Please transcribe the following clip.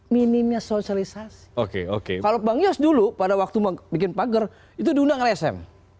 minimnya sosialisasi oke oke kalau bang yos dulu pada waktu bikin pager itu diundang lsm